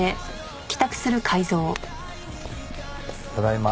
ただいま。